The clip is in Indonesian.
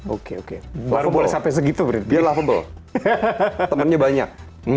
oke oke baru boleh sampai segitu berarti dia lavable temennya banyak